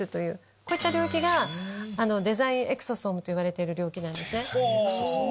こういった領域がデザインエクソソームといわれてるんです。